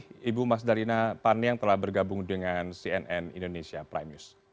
terima kasih ibu mas darina parniang telah bergabung dengan cnn indonesia prime news